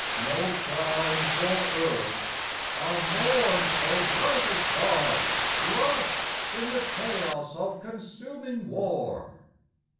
No crown for Earth; I mourn so bright a star Lost in the chaos of consuming war."